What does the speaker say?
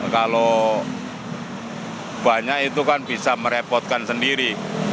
kalau banyak itu kan bisa merepotkan sendiri